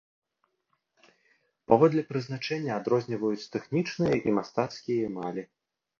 Паводле прызначэння адрозніваюць тэхнічныя і мастацкія эмалі.